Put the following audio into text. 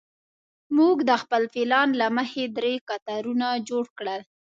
موږ د خپل پلان له مخې درې کتارونه جوړ کړل.